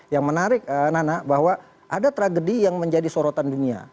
yang menarik nana bahwa ada tragedi yang menjadi sorotan dunia